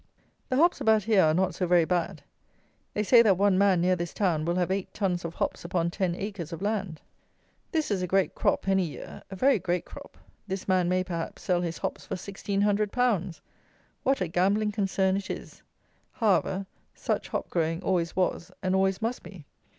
The hops about here are not so very bad. They say that one man, near this town, will have eight tons of hops upon ten acres of land! This is a great crop any year: a very great crop. This man may, perhaps, sell his hops for 1,600 pounds! What a gambling concern it is! However, such hop growing always was and always must be.